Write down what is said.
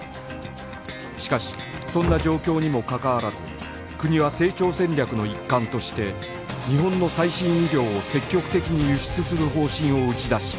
しかしそんな状況にもかかわらず国は成長戦略の一環として日本の最新医療を積極的に輸出する方針を打ち出し